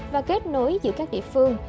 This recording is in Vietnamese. và kết nối giữa các địa phương